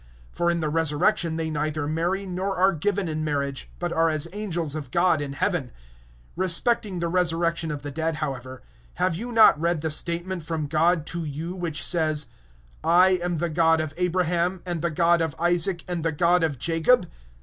(30)For in the resurrection they neither marry, nor are given in marriage, but are as the angels of God in heaven. (31)But concerning the resurrection of the dead, have ye not read that which was spoken to you by God, saying: (32)I am the God of Abraham, and the God of Isaac, and the God of Jacob?